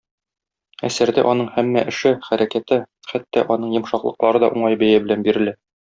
Әсәрдә аның һәммә эше, хәрәкәте, хәтта аның йомшаклыклары да уңай бәя белән бирелә.